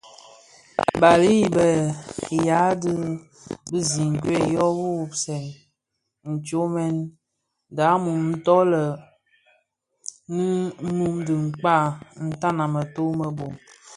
Bali i be yea bi zinkwed yo wuwubsèn tsomyè dhamum nto lè nimum dhi kpag tan a mëto më bum.